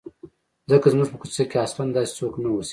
ځکه زموږ په کوڅه کې اصلاً داسې څوک نه اوسېدل.